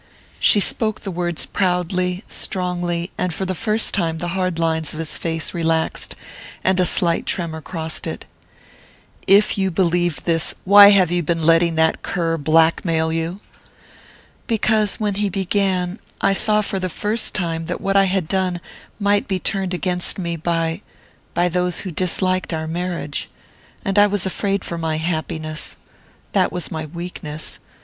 She spoke the words proudly, strongly, and for the first time the hard lines of his face relaxed, and a slight tremor crossed it. "If you believed this, why have you been letting that cur blackmail you?" "Because when he began I saw for the first time that what I had done might be turned against me by by those who disliked our marriage. And I was afraid for my happiness. That was my weakness...